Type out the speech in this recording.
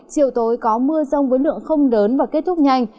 chiều tối có mưa rông với lượng không lớn và kết thúc nhanh